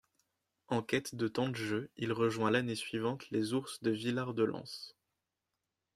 En quête de temps de jeu, il rejoint l'année suivante les Ours de Villard-de-Lans.